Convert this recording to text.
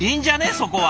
そこは！